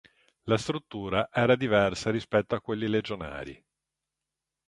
La struttura era diversa rispetto a quelli legionari.